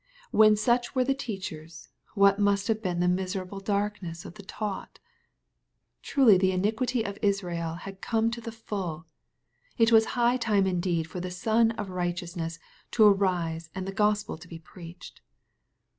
When such were the teachers, what must have been the miserable darkness of the taught ! Truly the iniquity of Israel had come to the full. It was high time indeed for the Sun of Kighteousness to arise and the Gospel to be preached.